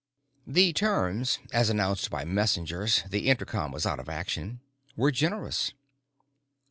The terms, as announced by messengers the intercom was out of action were generous.